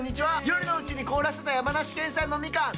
夜のうちに凍らせた山梨県産のみかん。